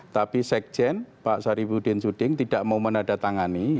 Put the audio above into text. tapi sekjen pak saripudin suding tidak mau menadatangani